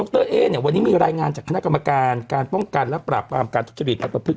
ดรเอวันนี้มีรายงานจากคณะกรรมการการป้องกันและปรากปราบการทุกจิต